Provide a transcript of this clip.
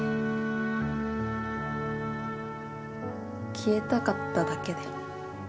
消えたかっただけで。